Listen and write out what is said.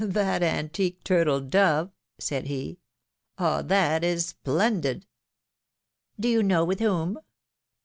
^^That antique turtle dove!^^ said he. ^^Ah! that is splendid ! Do you know with whom